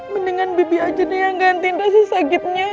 mendingan bibi aja deh yang nggantiin kasih sakitnya